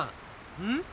うん？